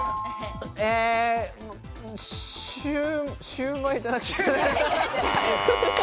シュウマイじゃなくて。